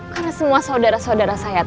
karena semua saudara saudara saya